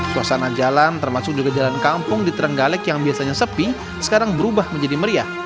suasana jalan termasuk juga jalan kampung di trenggalek yang biasanya sepi sekarang berubah menjadi meriah